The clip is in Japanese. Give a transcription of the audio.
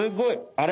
あれ？